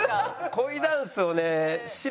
恋ダンスをね知ら。